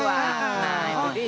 nah itu dia